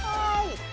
はい。